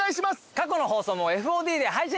過去の放送もＦＯＤで配信してます。